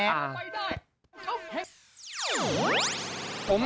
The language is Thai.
จริงเหรอ